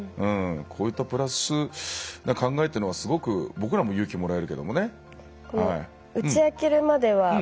こういったプラスな考えっていうのはすごく僕らも勇気もらえるけどもね。